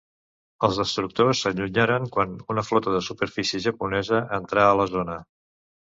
Els destructors s'allunyaren quan una flota de superfície japonesa entrà a la zona.